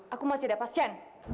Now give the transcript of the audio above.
aku masih ada pasien